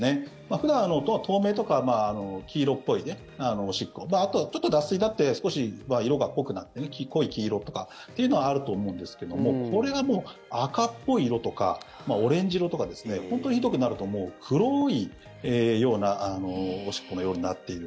普段、透明とか黄色っぽいおしっこあとはちょっと脱水になって少し色が濃くなって濃い黄色とかというのはあると思うんですけどもこれがもう赤っぽい色とかオレンジ色とか本当にひどくなると黒いようなおしっこのようになっている。